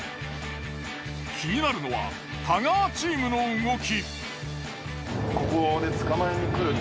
気になるのは太川チームの動き。